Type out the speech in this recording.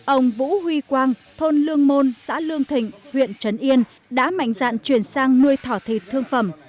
ông vũ huy quang thôn lương môn xã lương thịnh huyện trấn yên đã mạnh dạn chuyển sang nuôi thỏ thịt thương phẩm